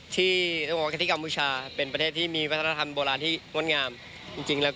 ที่ที่กัมพุชาเป็นประเทศที่มีวัฒนธรรมโบราณที่ม่อนงามจริงแล้วก็